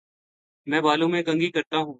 میں بالوں میں کنگھی کرتا ہوں